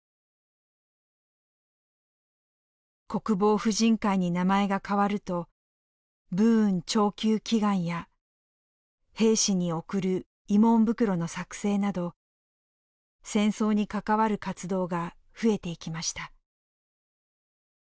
国防婦人会に名前が変わると武運長久祈願や兵士に送る慰問袋の作製など戦争に関わる活動が増えていきました。